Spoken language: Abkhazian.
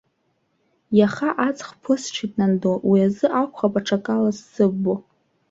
Иаха аҵх ԥысҽит, нанду, уи азы акәхап аҽакала сзыббо.